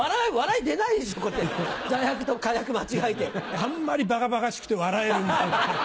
あんまりバカバカしくて笑えるんだよ。